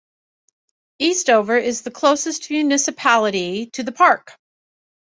Eastover is the closest municipality to the park.